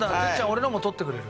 俺のも取ってくれる？